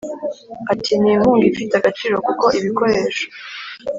Ati “Ni inkunga ifite agaciro kuko ibikoresho